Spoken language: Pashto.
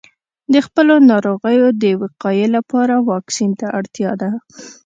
د خپلو ناروغیو د وقایې لپاره واکسین ته اړتیا ده.